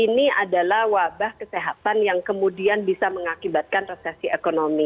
ini adalah wabah kesehatan yang kemudian bisa mengakibatkan resesi ekonomi